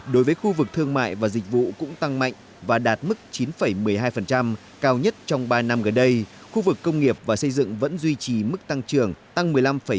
đối với khu vực thương mại và dịch vụ cũng tăng mạnh và đạt mức chín một mươi hai cao nhất trong ba năm gần đây khu vực công nghiệp và xây dựng vẫn duy trì mức tăng trưởng tăng một mươi năm bảy